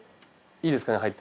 いいですかね？